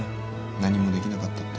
何もできなかったって。